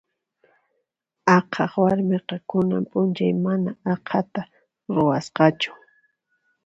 Aqhaq warmiqa kunan p'unchay mana aqhata ruwasqachu.